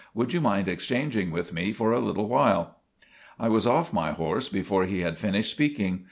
Would you mind exchanging with me for a little while?" I was off my horse before he had finished speaking.